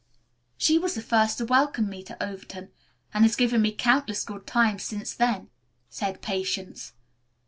"She was the first to welcome me to Overton, and has given me countless good times since then," said Patience.